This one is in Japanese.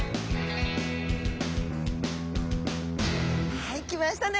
はい来ましたね。